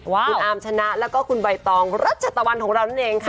คุณอาร์มชนะแล้วก็คุณใบตองรัชตะวันของเรานั่นเองค่ะ